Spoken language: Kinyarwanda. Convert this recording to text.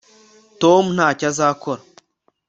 tom ntacyo azakora